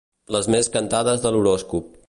Les més cantades de l'horòscop.